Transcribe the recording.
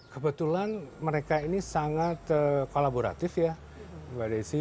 kebetulan mereka ini sangat kolaboratif ya mbak desi